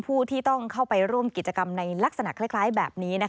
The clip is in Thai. ผู้ที่ต้องเข้าไปร่วมกิจกรรมในลักษณะคล้ายแบบนี้